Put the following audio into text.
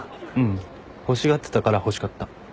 欲しがってたから欲しかった。